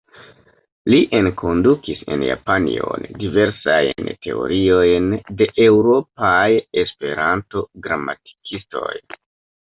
Li enkondukis en Japanion diversajn teoriojn de eŭropaj Esperanto-gramatikistoj.